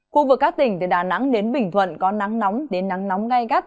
khu vực các tỉnh từ đà nẵng đến bình thuận có nắng nóng đến nắng nóng gai gắt